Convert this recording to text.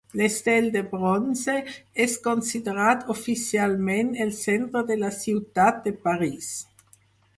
L'estel de bronze és considerat oficialment el centre de la ciutat de París.